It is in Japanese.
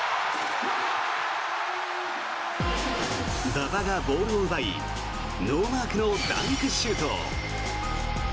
馬場がボールを奪いノーマークのダンクシュート。